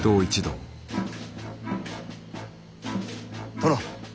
殿。